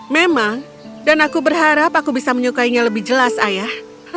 memang dan aku berharap aku bisa menyukainya lebih jelas ayah